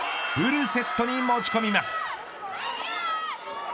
フルセットに持ち込みます。